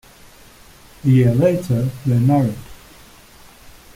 A year later, they married.